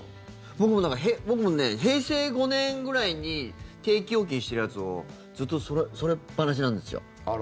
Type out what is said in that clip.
僕も平成５年ぐらいに定期預金してるやつをずっとそれっぱなしなんですよ。